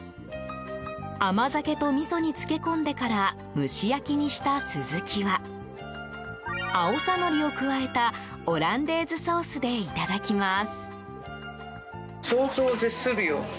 甘酒とみそに漬け込んでから蒸し焼きにしたスズキはアオサノリを加えたオランデーズソースでいただきます。